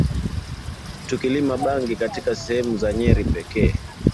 Tukilima bangi katika sehemu za Nyeri pekee